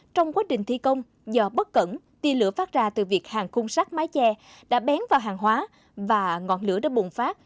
trong quá trình thi công do bất cẩn tì lửa phát ra từ việc hàng khung sắt mái che đã bén vào hàng hóa và ngọn lửa đã bùng phát